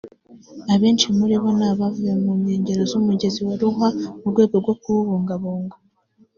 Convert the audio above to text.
Abenshi muri bo ni abavuye mu nkengero z’umugezi wa Ruhwa mu rwego rwo kuwubungabunga